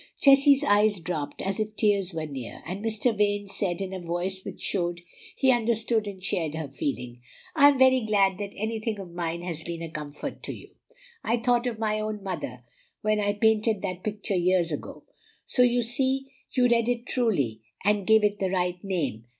Jessie's eyes dropped, as if tears were near; and Mr. Vane said, in a voice which showed he understood and shared her feeling, "I am very glad that anything of mine has been a comfort to you. I thought of my own mother when I painted that picture years ago; so you see you read it truly, and gave it the right name.